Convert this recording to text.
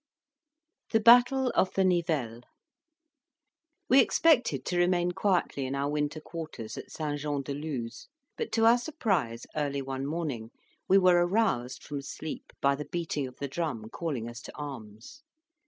THE BATTLE OF THE NIVELLE We expected to remain quietly in our winter quarters at St. Jean de Luz; but, to our surprise, early one morning, we were aroused from sleep by the beating of the drum calling us to arms.